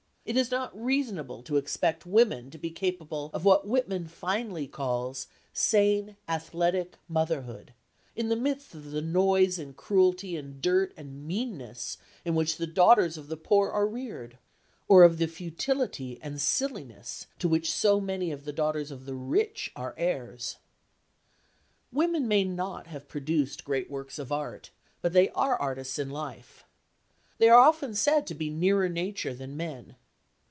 It is not reasonable to expect women to be capable of what Whitman finely calls "sane, athletic motherhood," in the midst of the noise and cruelty and dirt and meanness in which the daughters of the poor are reared, or of the futility and silliness to which so many of the daughters of the rich are heirs. Women may not have produced great works of art, but they are artists in life. They are often said to be nearer nature than men.